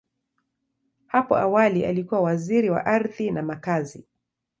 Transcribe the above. Hapo awali, alikuwa Waziri wa Ardhi na Makazi.